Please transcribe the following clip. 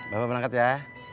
bapak berangkat ya